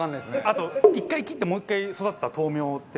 あと１回切ってもう１回育てた豆苗って。